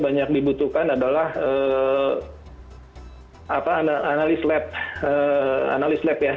yang dibutuhkan adalah analis lab